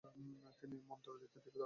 তিনি মন্ত্রদীক্ষা দান করেন।